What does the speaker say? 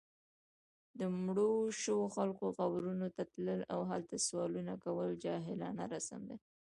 د مړو شوو خلکو قبرونو ته تلل، او هلته سوالونه کول جاهلانه رسم دی